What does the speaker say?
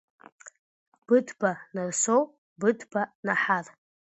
Быҭәба Нарсоу, Быҭәба Наҳар.